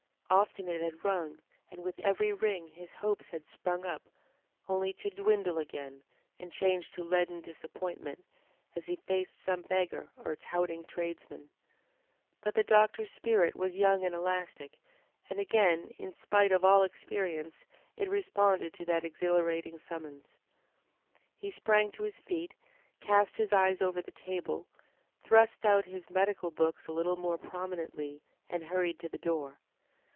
Often it had rung, and with every ring his hopes had sprung up, only to dwindle away again, and change to leaden disappointment, as he faced some beggar or touting tradesman. But the doctor's spirit was young and elastic, and again, in spite of all experience, it responded to that exhilarating summons. He sprang to his feet, cast his eyes over the table, thrust out his medical books a little more prominently, and hurried to the door.